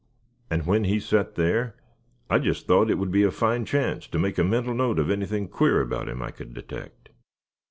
And when he sat there, I just thought it would be a fine chance to make a mental note of anything queer about him I could detect."